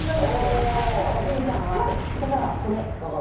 だから、これ。